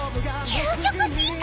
究極進化！？